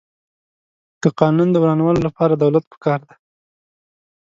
د قانون د ورانولو لپاره دولت پکار دی.